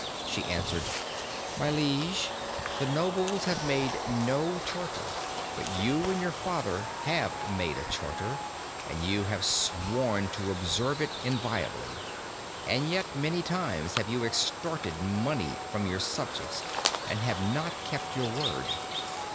She answered, "My liege, the nobles have made no charter, but you and your father have made a charter, and you have sworn to observe it inviolably, and yet many times have you extorted money from your subjects and have not kept your word.